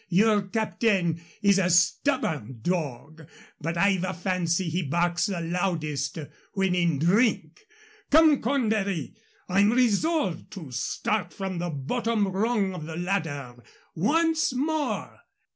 Your captain is a stubborn dog, but I've a fancy he barks the loudest when in drink. Come, Cornbury, I'm resolved to start from the bottom rung of the ladder once more.